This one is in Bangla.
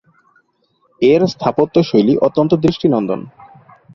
এর স্থাপত্যশৈলী অত্যন্ত দৃষ্টিনন্দন।